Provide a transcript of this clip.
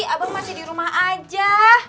abang masih di rumah aja